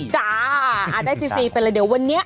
จ้าได้ฟรีเป็นอะไรเดี๋ยววันนี้